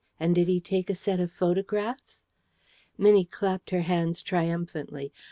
And did he take a set of photographs?" Minnie clapped her hands triumphantly.